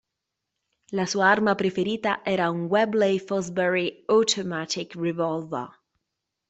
La sua arma preferita era un Webley-Fosbery Automatic Revolver.